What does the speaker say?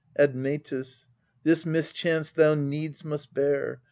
Admetus, this mischance thou needs must bear.